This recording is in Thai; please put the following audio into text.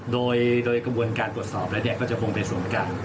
โดยโดยกระบวนการตรวจสอบแล้วเนี่ยก็จะคงเป็นส่วนการ